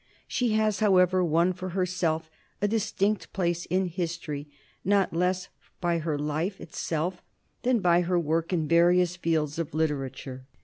She has, however, won for herself a distinct place in history, not less by her life itself than by her work in various fields of literature.